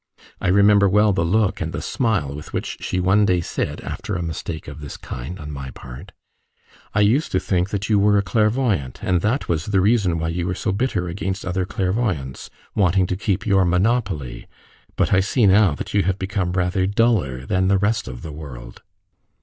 I remember well the look and the smile with which she one day said, after a mistake of this kind on my part: "I used to think you were a clairvoyant, and that was the reason why you were so bitter against other clairvoyants, wanting to keep your monopoly; but I see now you have become rather duller than the rest of the world."